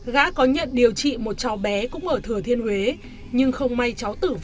gã có nhận điều trị một cháu bé cũng ở thừa thiên huế nhưng không may cháu tử vong